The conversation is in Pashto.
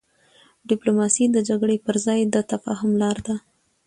ډيپلوماسي د جګړي پر ځای د تفاهم لار ده.